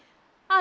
あ！